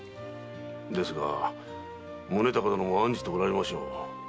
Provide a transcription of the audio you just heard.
ですが宗尭殿も案じておられましょう。